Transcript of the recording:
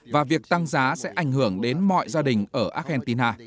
và việc tăng giá sẽ ảnh hưởng đến mọi gia đình ở argentina